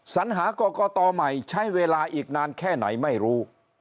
สัญหากรกตใหม่ใช้เวลาอีกนานแค่ไหนไม่รู้